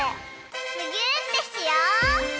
むぎゅーってしよう！